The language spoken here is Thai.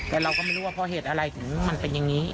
แต่เราก็ไม่รู้ว่าเพราะเหตุอะไรถึงมันเป็นอย่างนี้